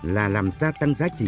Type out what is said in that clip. là làm gia tăng giá trị